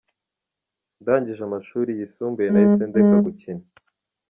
Ndangije amashuri yisumbuye nahise ndeka gukinaâ€?.